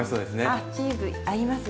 あっチーズ合いますね。